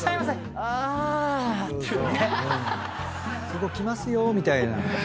そこ来ますよみたいな。